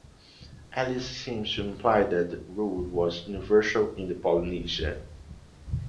Ellis seems to imply that the rule was universal in Polynesia.